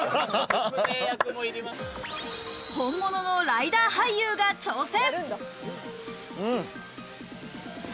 本物のライダー俳優が挑戦。